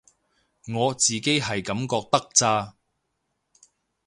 我自己係噉覺得咋